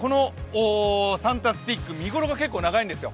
サンタスティック見ごろが結構長いんですよ。